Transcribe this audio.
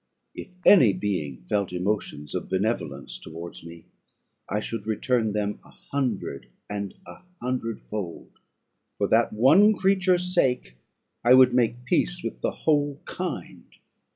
If any being felt emotions of benevolence towards me, I should return them an hundred and an hundred fold; for that one creature's sake, I would make peace with the whole kind!